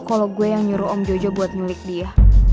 kalau gue yang nyuruh om jojo buat milik dia